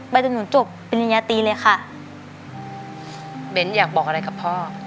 จนหนูจบปริญญาตรีเลยค่ะเบ้นอยากบอกอะไรกับพ่อ